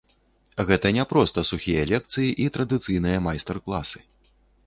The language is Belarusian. Гэта не проста сухія лекцыі і традыцыйныя майстар-класы.